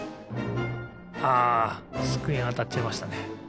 あつくえにあたっちゃいましたね。